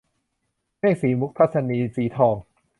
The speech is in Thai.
เมฆสีมุก - ทัศนีย์ สีทอง